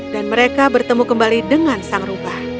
dan mereka bertemu kembali dengan sang rubah